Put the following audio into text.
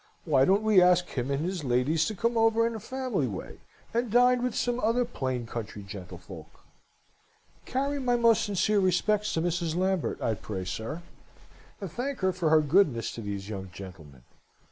Why don't we ask him and his ladies to come over in a family way and dine with some other plain country gentlefolks?' Carry my most sincere respects to Mrs. Lambert, I pray, sir; and thank her for her goodness to these young gentlemen.